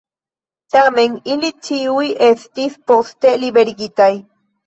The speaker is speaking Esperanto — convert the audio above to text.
Tamen, ili ĉiuj estis poste liberigitaj.